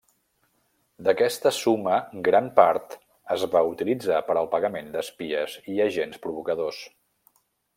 D'aquesta suma gran part es va utilitzar per al pagament d'espies i agents provocadors.